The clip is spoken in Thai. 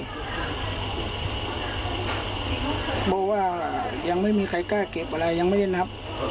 เพราะว่ายังไม่มีใครกล้าเก็บอะไรยังไม่ได้นับ